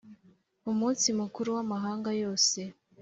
Umunsi mukuru w’amahanga yose